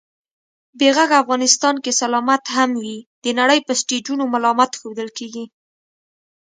بې غږه افغانستان که سلامت هم وي، د نړۍ په سټېجونو ملامت ښودل کېږي